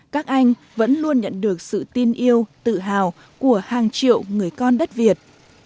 các anh vẫn luôn nhận được sự tin yêu tự hào của hàng triệu người con đất việt